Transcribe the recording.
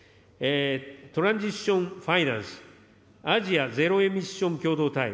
トランジション・ファイナンス、アジア・ゼロエミッション共同体。